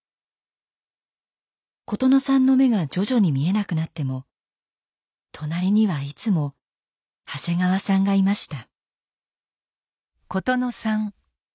琴乃さんの目が徐々に見えなくなっても隣にはいつも長谷川さんがいました。